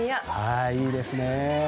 いいですね。